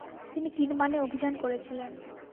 তিনি কিরমান অভিযান করেছিলেন।